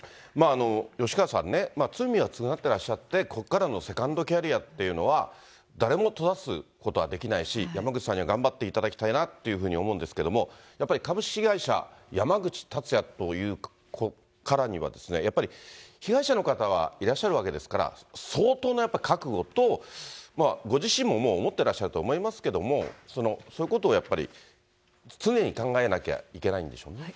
吉川さんね、罪は償ってらっしゃって、ここからのセカンドキャリアというのは、誰も閉ざすことはできないし、山口さんには頑張っていただきたいなっていうふうに思うんですけども、やっぱり株式会社山口達也というからには、やっぱり被害者の方はいらっしゃるわけですから、相当なやっぱり覚悟と、ご自身ももう思ってらっしゃると思いますけれども、そういうことをやっぱり、常に考えなきゃいけないんでしょうね。